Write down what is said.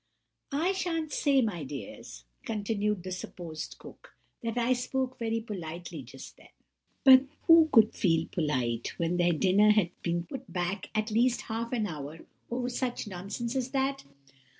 "I don't say, my dears," continued the supposed cook, "that I spoke very politely just then; but who could feel polite, when their dinner had been put back at least half an hour over such nonsense as that?